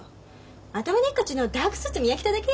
頭でっかちのダークスーツ見飽きただけよ。